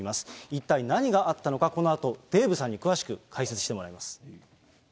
一体何があったのか、このあとデーブさんに詳しく解説してもらいます。